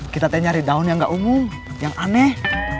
kita nyari daun yang gak umum yang aneh